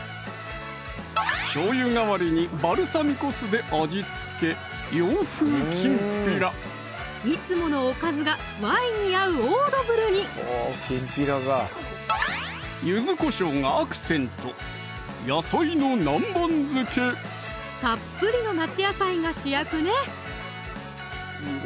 しょうゆ代わりにバルサミコ酢で味付けいつものおかずがワインに合うオードブルに柚子こしょうがアクセントたっぷりの夏野菜が主役ね